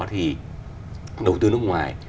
thì đầu tư nước ngoài